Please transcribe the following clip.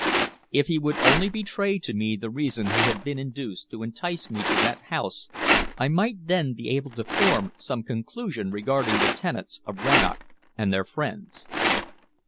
If he would only betray to me the reason he had been induced to entice me to that house, I might then be able to form some conclusion regarding the tenants of Rannoch and their friends.